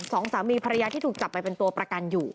สองสามีภรรยาที่ถูกจับไปเป็นตัวประกันอยู่